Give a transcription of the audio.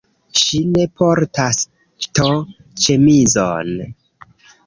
Ŝi ne portas to-ĉemizon